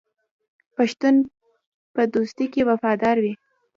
پښتون په دوستۍ کې وفادار وي.